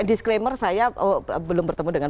disclaimer saya belum bertemu dengan